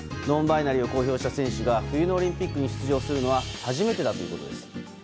ノンバイナリーを公表した選手が冬のオリンピックに出場するのは初めてだということです。